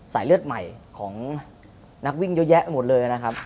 เลือดใหม่ของนักวิ่งเยอะแยะหมดเลยนะครับ